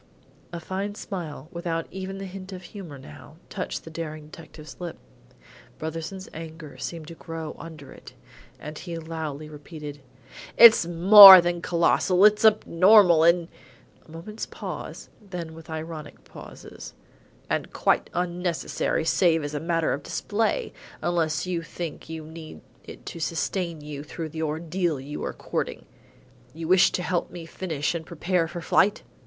A fine smile, without even the hint of humour now, touched the daring detective's lip. Brotherson's anger seemed to grow under it, and he loudly repeated: "It's more than colossal; it's abnormal and " A moment's pause, then with ironic pauses "and quite unnecessary save as a matter of display, unless you think you need it to sustain you through the ordeal you are courting. You wish to help me finish and prepare for flight?"